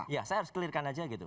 ya saya harus keliarkan aja gitu